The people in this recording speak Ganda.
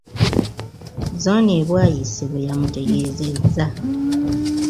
Zooni e Bwaise bwe yamutegeezezza.